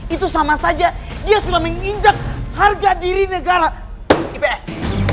itu sama saja dia sudah menginjak harga diri negara ips